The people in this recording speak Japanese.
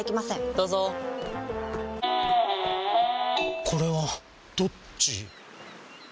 どうぞこれはどっち？